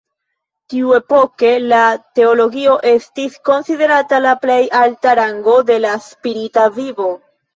Tiuepoke, la teologio estis konsiderata la plej alta rango de la spirita vivo.